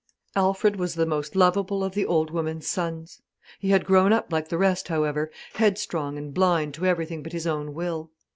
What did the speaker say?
Alfred was the most lovable of the old woman's sons. He had grown up like the rest, however, headstrong and blind to everything but his own will.